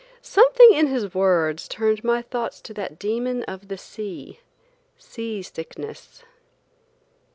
Something in his words turned my thoughts to that demon of the sea–sea sickness.